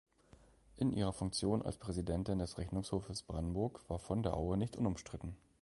In ihrer Funktion als Präsidentin des Rechnungshofes Brandenburg war von der Aue nicht unumstritten.